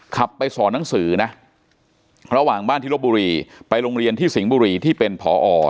ขับไปสอนหนังสือนะระหว่างบ้านที่ลบบุรีไปโรงเรียนที่สิงห์บุรีที่เป็นผอ